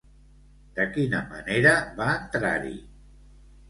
De quina manera va entrar-hi?